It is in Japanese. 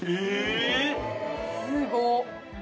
すごっ！